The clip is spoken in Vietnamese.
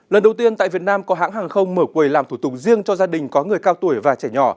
lần đầu tiên tại việt nam có hãng hàng không mở quầy làm thủ tục riêng cho gia đình có người cao tuổi và trẻ nhỏ